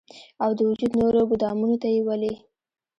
او د وجود نورو ګودامونو ته ئې ولي